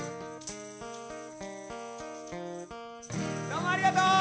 どうもありがとう。